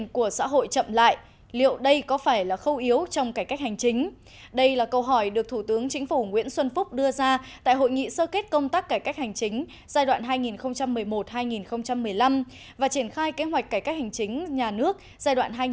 các hành chính nhà nước giai đoạn hai nghìn một mươi sáu hai nghìn hai mươi diễn ra vào sáng nay tại hà nội